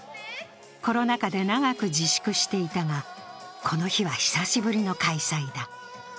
コロナ禍で長く自粛していたがこの日は久しぶりの開催だ。